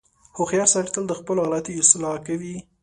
• هوښیار سړی تل د خپلو غلطیو اصلاح کوي.